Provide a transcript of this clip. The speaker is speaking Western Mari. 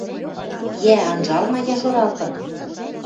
Йӓ, анжалма яжоракын